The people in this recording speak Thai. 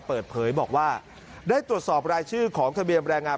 เปิดเผยบอกว่าได้ตรวจสอบรายชื่อของทะเบียนแรงงาน